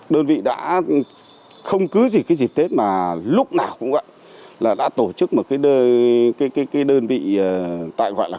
đơn vị đã không cứ gì cái dịp tết mà lúc nào cũng vậy là đã tổ chức một cái đơn vị tại gọi là